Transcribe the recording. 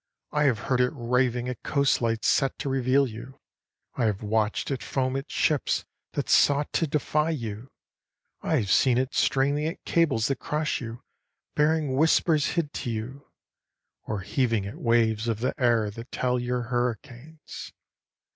I have heard it raving at coast lights set to reveal you, I have watched it foam at ships that sought to defy you, I have seen it straining at cables that cross you, bearing whispers hid to you, Or heaving at waves of the air that tell your hurricanes.